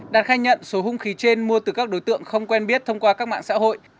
đạt khai nhận số hung khí trên mua từ các đối tượng không quen biết thông qua các mạng xã hội